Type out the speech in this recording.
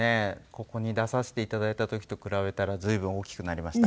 ここに出させていただいた時と比べたら随分大きくなりました。